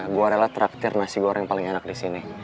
gue rela traktir nasi goreng paling enak disini